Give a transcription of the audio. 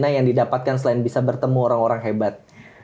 apa yang didapatkan selain bisa bertemu orang orang hebat